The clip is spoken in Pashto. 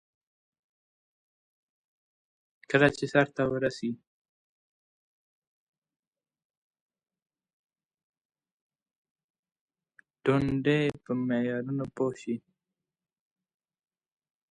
د نباتاتو په دنيا کې له ګلونو سره ازغي شته.